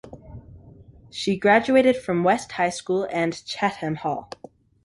She graduated from West High School and Chatham Hall.